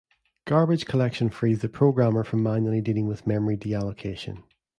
Garbage collection frees the programmer from manually dealing with memory deallocation.